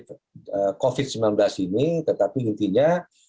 covid sembilan belas ini tetapi intinya